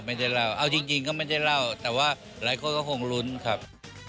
ไม่ได้เล่าเอาจริงก็ไม่ได้เล่าแต่ว่าหลายคนก็คงลุ้นครับ